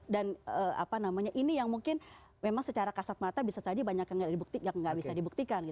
dan ini yang mungkin memang secara kasat mata bisa saja banyak yang tidak bisa dibuktikan